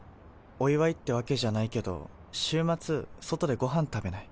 お祝いってわけじゃないけど週末、外でご飯食べない？」。